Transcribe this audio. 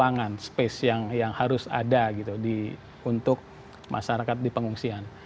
artinya itu adalah dari sisi ruangan space yang harus ada gitu di untuk masyarakat di pengungsian